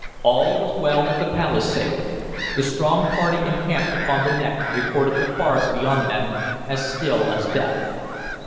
All was well at the palisade; the strong party encamped upon the neck reported the forest beyond them as still as death.